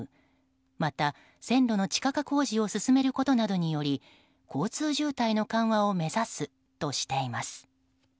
また、線路の地下化工事を進めることなどにより交通渋滞の緩和を目指すとしています。